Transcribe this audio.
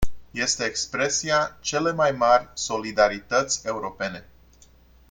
Este expresia celei mai mari solidarități europene.